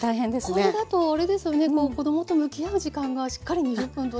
これだとあれですよね子どもと向き合う時間がしっかり２０分とれて。